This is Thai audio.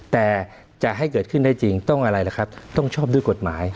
แต่จะให้เกิดขึ้นได้จริงต้องอะไรล่ะครับต้องชอบด้วยกฎหมาย